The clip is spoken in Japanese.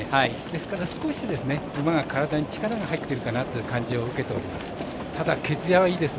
ですから少し馬が体に力が入っているかなという感じを受けます。